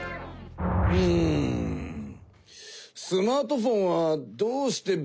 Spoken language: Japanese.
うん「スマートフォンはどうして便利なのか」